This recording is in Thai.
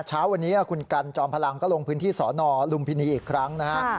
เช้าวันนี้คุณกันจอมพลังก็ลงพื้นที่สอนอลุมพินีอีกครั้งนะฮะ